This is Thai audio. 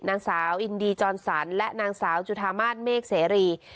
นางสาวอินดีจรสันและนางสาวจุธามาศเมฆเสรี